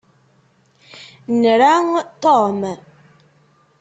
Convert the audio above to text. Nra Tom.